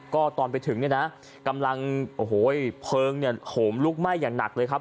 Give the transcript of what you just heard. ก็ตอนไปถึงกำลังเพลิงโหมลุกไหม้อย่างหนักเลยครับ